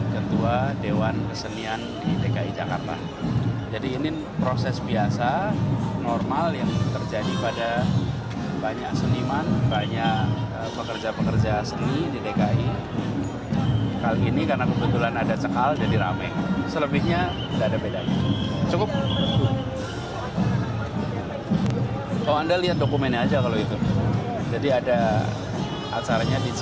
ketua dewan kesenian jakarta menyebutkan ratna sebagai penyelenggaraan yang berbeda